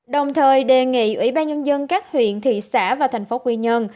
đồng thời đề nghị ủy ban nhân dân các huyện thị xã và thành phố quy nhơn